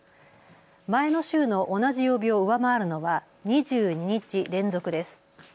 前の週の同じ曜日を上回るのは２２日連続です。